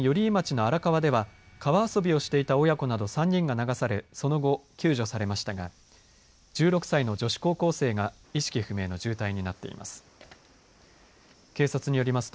また、きょう午前埼玉県寄居町の荒川では川遊びをしていた親子など３人が流され、その後救助されましたが１６歳の女子高校生が意識不明の重体になっています。